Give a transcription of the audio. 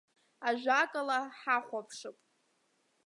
Ажәакала, ҳахәаԥшып!